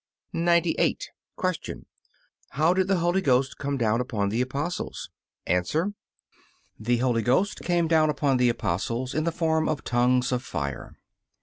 98. Q. How did the Holy Ghost come down upon the Apostles? A. The Holy Ghost came down upon the Apostles in the form of tongues of fire.